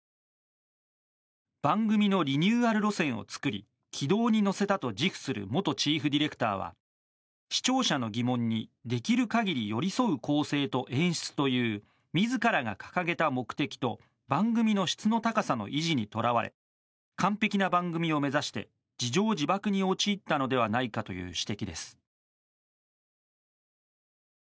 番組のリニューアル路線を作り軌道に乗せたと自負する元チーフディレクターは視聴者の疑問にできる限り寄り添う構成と演出という自らが掲げた目的と番組の質の高さの維持にとらわれ完璧な番組を目指して自縄自縛に陥ったのではないかという指摘です。